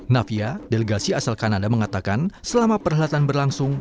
navia delegasi asal kanada mengatakan selama perhelatan berlangsung